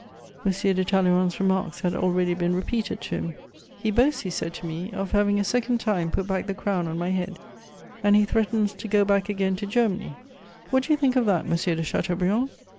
M. de Talleyrand's remarks had already been repeated to him: "He boasts," he said to me, "of having a second time put back the crown on my head, and he threatens to go back again to Germany: what do you think of that, Monsieur de Chateaubriand?"